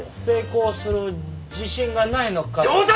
成功する自信がないのかと。